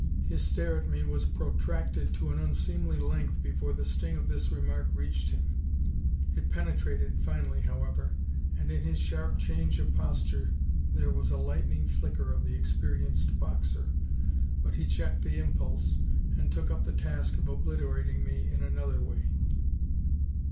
His stare at me was protracted to an unseemly length before the sting of this remark reached him; it penetrated finally, however, and in his sharp change of posture there was a lightning flicker of the experienced boxer; but he checked the impulse, and took up the task of obliterating me in another way.